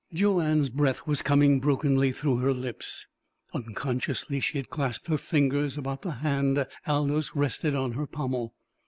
Joanne's breath was coming brokenly through her lips. Unconsciously she had clasped her fingers about the hand Aldous rested on her pommel.